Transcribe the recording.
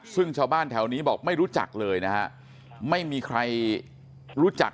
ซึ่งชาวบ้านแถวนี้บอกไม่รู้จักเลยนะฮะไม่มีใครรู้จัก